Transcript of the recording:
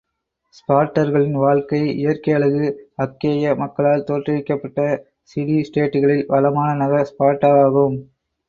ஸ்பார்ட்டர்களின் வாழ்க்கை இயற்கை அழகு அக்கேய மக்களால் தோற்றுவிக்கப்பட்ட சிடி ஸ்டேட்டுகளில் வளமான நகர் ஸ்பார்ட்டா வாகும்.